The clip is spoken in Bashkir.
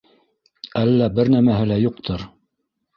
Әллә бер нәмәһе лә юҡтыр!